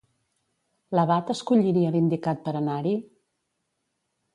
L'abat escolliria l'indicat per anar-hi?